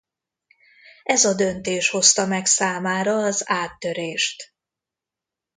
Ez a döntés hozta meg számára az áttörést.